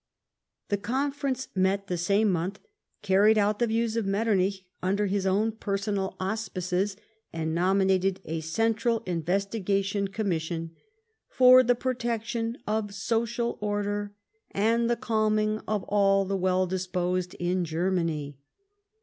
The Conference met the same month, cari'ied out the views of Metternich under his own personal auspices, and nominated a Central Investigation ('ommission " for the protection of social order and the calming of all the well disposed in Germany."